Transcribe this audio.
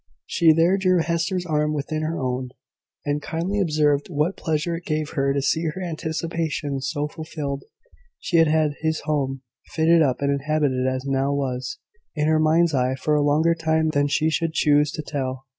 She there drew Hester's arm within her own, and kindly observed what pleasure it gave her to see her anticipations so fulfilled. She had had this home, fitted up and inhabited as it now was, in her mind's eye for a longer time than she should choose to tell.